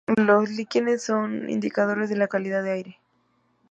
Los líquenes son indicadores de la calidad del aire.